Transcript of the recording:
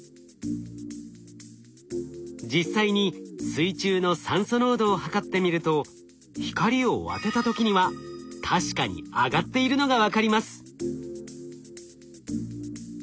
実際に水中の酸素濃度を測ってみると光を当てた時には確かに上がっているのが分かります。